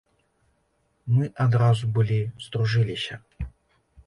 Мы адразу былі здружыліся.